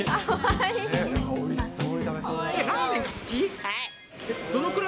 はい。